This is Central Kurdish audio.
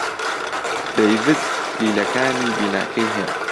دەیڤد کلیلەکانی بیناکەی هەیە.